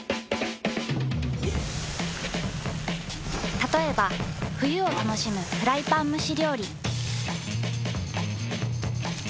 たとえば冬を楽しむフライパン蒸し料理。